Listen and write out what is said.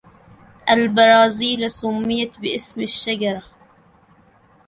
البرازيل سمّيت بإسم شجرة.